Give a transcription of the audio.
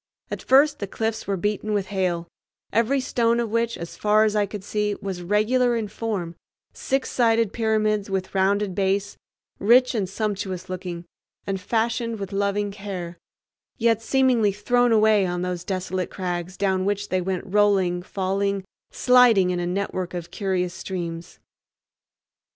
At first the cliffs were beaten with hail, every stone of which, as far as I could see, was regular in form, six sided pyramids with rounded base, rich and sumptuous looking, and fashioned with loving care, yet seemingly thrown away on those desolate crags down which they went rolling, falling, sliding in a network of curious streams.